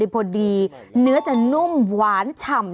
พอดีเนื้อจะนุ่มหวานฉ่ำ